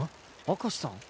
明石さん。